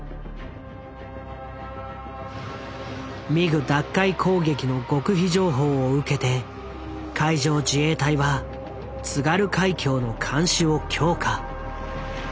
ミグ奪回攻撃の極秘情報を受けて海上自衛隊は津軽海峡の監視を強化。